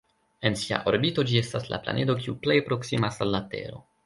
En sia orbito, ĝi estas la planedo kiu plej proksimas al la Tero.